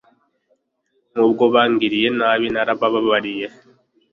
nubwo bangiriye nabi naraba babariye